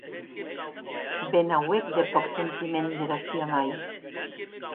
Be n’auec de pòc sentiment dera sua mair!